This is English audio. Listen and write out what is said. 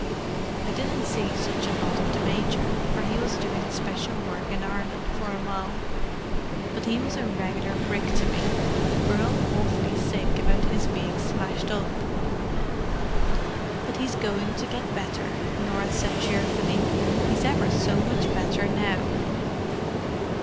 I didn't see such a lot of the Major, for he was doing special work in Ireland for awhile; but he was a regular brick to me. We're all awfully sick about his being smashed up." "But he's going to get better," Norah said cheerfully. "He's ever so much better now."